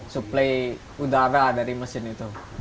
suplai udara dari mesin itu